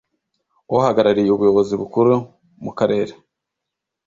Uhagarariye ubuyobozi bukuru mu karere